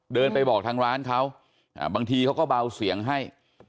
เดินไปบอกทางร้านเขาบางทีเขาก็เบาเสียงให้